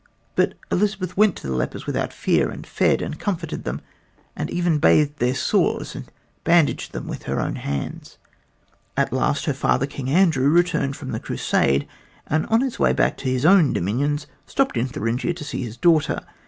But Elizabeth went to the lepers without fear and fed and comforted them, and even bathed their sores and bandaged them with her own hands. At last her father, King Andrew, returned from the crusade, and on his way back to his own dominions stopped in Thuringia to see his daughter.